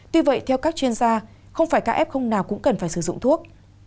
tuy vậy theo các chuyên gia không phải ca f nào cũng cần phải sử dụng thuốc